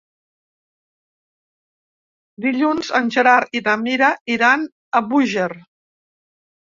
Dilluns en Gerard i na Mira iran a Búger.